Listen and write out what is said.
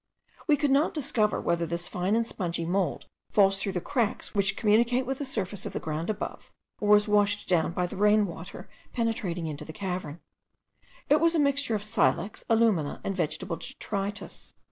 We could not discover whether this fine and spongy mould falls through the cracks which communicate with the surface of the ground above, or is washed down by the rain water penetrating into the cavern. It was a mixture of silex, alumina, and vegetable detritus.